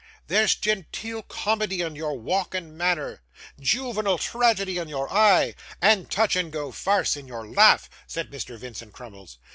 'There's genteel comedy in your walk and manner, juvenile tragedy in your eye, and touch and go farce in your laugh,' said Mr. Vincent Crummles.